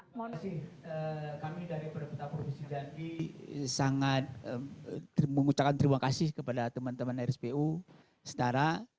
terima kasih kami dari pemerintah provinsi jambi sangat mengucapkan terima kasih kepada teman teman rspu setara